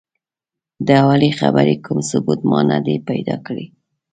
د اولې خبرې کوم ثبوت ما نه دی پیدا کړی.